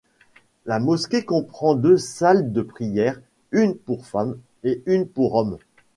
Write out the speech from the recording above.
La mosquée comprend deux salles de prières, une pour femmes et une pour hommes.